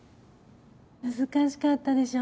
難しかったでしょ。